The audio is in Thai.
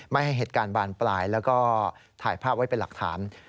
ไม่ให้เหตุการณ์บานปลายแล้วก็ถ่ายภาพไว้เป็นหลักฐาน